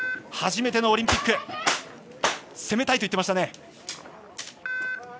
初めてのオリンピック攻めたいと言っていました。